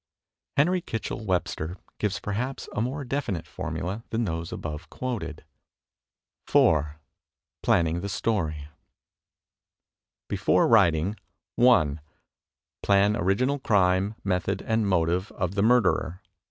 Henry Kitchell Webster gives perhaps a more definite formula than those above quoted: 4. Planning the Story Before Writing: i. Plan original crime, method, and motive of the murderer.